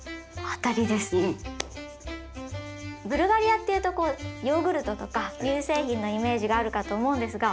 ブルガリアっていうとこうヨーグルトとか乳製品のイメージがあるかと思うんですが。